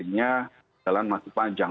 artinya jalan masih panjang